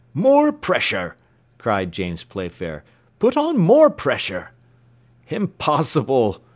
"More pressure!" cried James Playfair; "put on more pressure!" "Impossible!"